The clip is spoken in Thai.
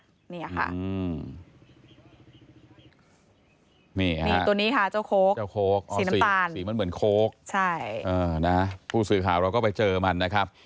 มีเนี่ยเรานี่ค่ะจะโค่แล้ว๊อคตัวมันเหมือนโค้กใช่นะพูดส่วยกับนะคะเราก็ไปเจอมันนะครับ